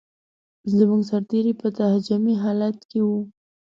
زموږ سرتېري په تهاجمي حالت کې و.